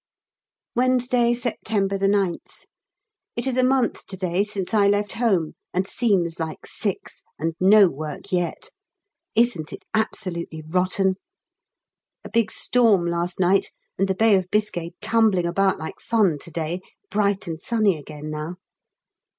Wednesday, September 9th. It is a month to day since I left home, and seems like six, and no work yet. Isn't it absolutely rotten? A big storm last night, and the Bay of Biscay tumbling about like fun to day: bright and sunny again now.